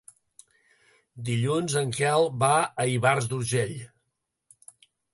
Dilluns en Quel va a Ivars d'Urgell.